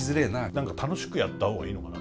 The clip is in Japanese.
何か楽しくやった方がいいのかな。